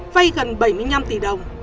vay gần bảy mươi năm tỷ đồng